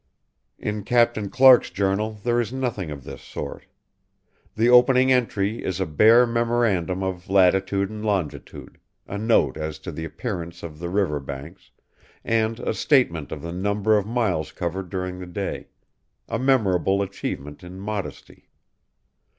In Captain Clark's journal there is nothing of this sort. The opening entry is a bare memorandum of latitude and longitude, a note as to the appearance of the river banks, and a statement of the number of miles covered during the day, a memorable achievement in modesty.